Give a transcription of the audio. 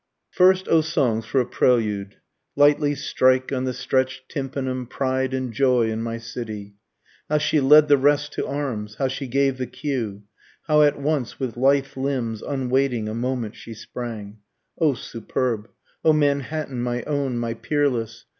First O songs for a prelude, Lightly strike on the stretch'd tympanum pride and joy in my city, How she led the rest to arms, how she gave the cue, How at once with lithe limbs unwaiting a moment she sprang, (O superb! O Manhattan, my own, my peerless!